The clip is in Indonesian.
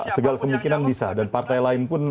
segala kemungkinan bisa dan partai lain pun